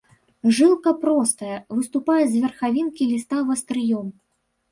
Жылка простая, выступае з верхавінкі ліста вастрыём.